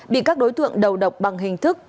bị các đối tượng đầu độc bằng hình thức